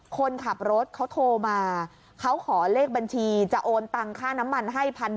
คนขับรถเขาโทรมาเขาขอเลขบัญชีจะโอนตังค่าน้ำมันให้๑๐๐